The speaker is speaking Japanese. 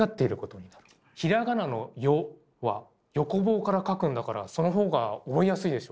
平仮名の「よ」は横棒から書くんだからその方が覚えやすいでしょ。